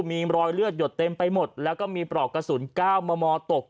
มีรอยเลือดหยดเต็มไปหมดแล้วก็มีปลอกกระสุน๙มมตก